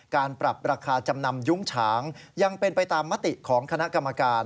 การปรับราคาจำนำยุ้งฉางยังเป็นไปตามมติของคณะกรรมการ